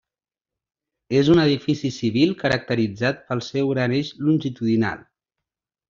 És un edifici civil caracteritzat pel seu gran eix longitudinal.